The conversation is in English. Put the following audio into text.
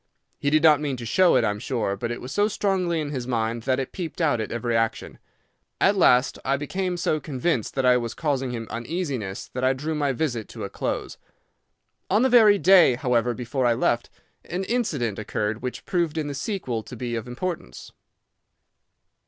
He did not mean to show it, I am sure, but it was so strongly in his mind that it peeped out at every action. At last I became so convinced that I was causing him uneasiness that I drew my visit to a close. On the very day, however, before I left, an incident occurred which proved in the sequel to be of importance.